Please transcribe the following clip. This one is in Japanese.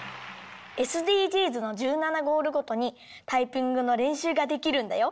ＳＤＧｓの１７ゴールごとにタイピングのれんしゅうができるんだよ。